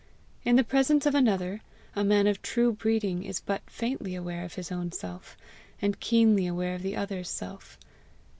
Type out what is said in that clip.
In the presence of another, a man of true breeding is but faintly aware of his own self, and keenly aware of the other's self.